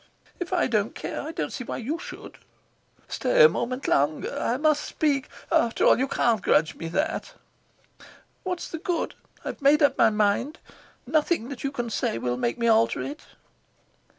"If I don't care, I don't see why you should." "Stay a minute longer. I must speak. After all, you can't grudge me that." "What is the good? I've made up my mind. Nothing that you can say will make me alter it."